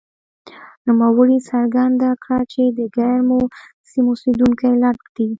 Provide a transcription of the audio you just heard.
نوموړي څرګنده کړه چې د ګرمو سیمو اوسېدونکي لټ دي.